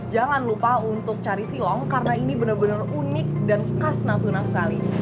jangan lupa untuk cari silong karena ini benar benar unik dan khas natuna sekali